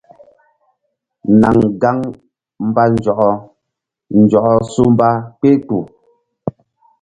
Naŋ gaŋ mba nzɔkɔ nzɔkɔ su mba kpehkpuh.